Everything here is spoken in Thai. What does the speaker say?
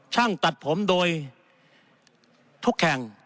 ช่างตัดผมโดยทุกแข่ง